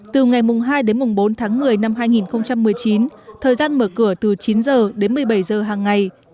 từ ngày hai bốn tháng một mươi năm hai nghìn một mươi chín thời gian mở cửa từ chín giờ đến một mươi bảy giờ hàng ngày